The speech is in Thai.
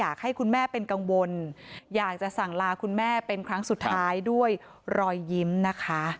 อยากให้คุณแม่เป็นกังวลอยากจะสั่งลาคุณแม่เป็นครั้งสุดท้ายด้วยรอยยิ้มนะคะ